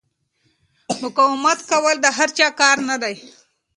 مقاومت کول د هر چا کار نه دی.